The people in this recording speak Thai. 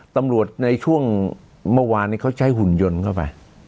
ตำรวจในช่วงเมื่อวานนี้เขาใช้หุ่นยนต์เข้าไป